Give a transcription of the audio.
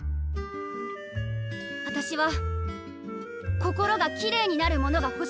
あたしは心がきれいになるものが欲しいんです！